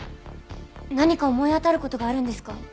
何か思い当たる事があるんですか？